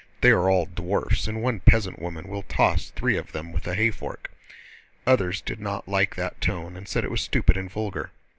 They are all dwarfs and one peasant woman will toss three of them with a hayfork." Others did not like that tone and said it was stupid and vulgar.